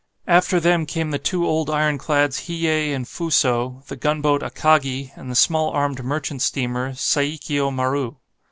After them came the two old ironclads "Hiyei" and "Fuso," the gunboat "Akagi," and the small armed merchant steamer "Saikio Maru."